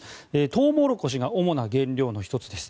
トウモロコシが主な原料の１つです。